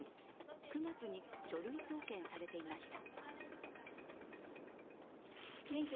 ９月に書類送検されていました。